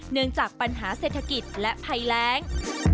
เนื่องจากปัญหาเศรษฐกิจและภัยแรง